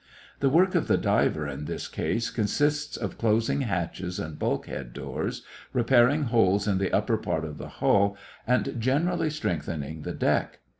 The work of the diver in this case consists of closing hatches and bulkhead doors, repairing holes in the upper part of the hull, and generally strengthening the deck.